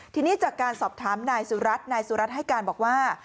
ทีนี้จากการสอบถามนายสุรัตน์นายสุรัตน์ให้การบอกว่า